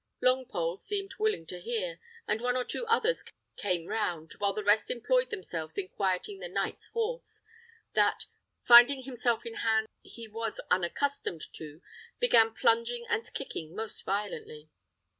Longpole seemed willing to hear, and one or two others came round, while the rest employed themselves in quieting the knight's horse, that, finding himself in hands he was unaccustomed to, began plunging and kicking most violently.